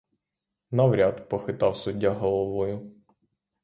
Навряд, — похитав суддя головою.